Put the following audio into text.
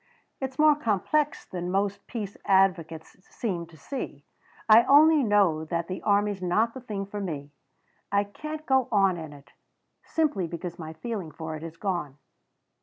It's more complex than most peace advocates seem to see. I only know that the army's not the thing for me. I can't go on in it, simply because my feeling for it is gone."